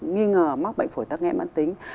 nghi ngờ mắc bệnh phổi tắc nghẽ mãn tính